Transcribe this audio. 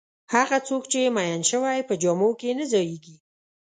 هغه څوک چې میین شوی په جامو کې نه ځایېږي.